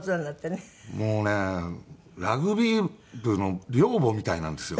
もうねラグビー部の寮母みたいなんですよ。